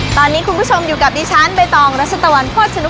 ตอนนี้คุณผู้ชมอยู่กับดิฉันใบตองรัชตะวันโภชนุ